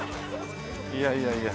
いやいやいや。